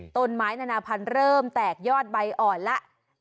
ต้นไม้นานาพันธุ์เริ่มแตกยอดใบอ่อนแล้ว